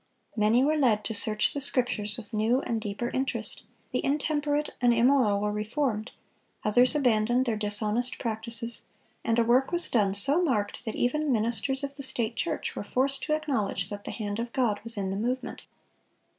Many were led to search the Scriptures with new and deeper interest, the intemperate and immoral were reformed, others abandoned their dishonest practices, and a work was done so marked that even ministers of the state church were forced to acknowledge that the hand of God was in the movement.